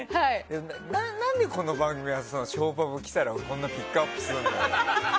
何でこの番組はショーパブキサラをこんなにピックアップするの？